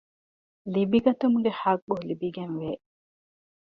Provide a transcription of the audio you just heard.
ލިބިގަތުމުގެ ޙައްޤު ލިބިގެންވޭ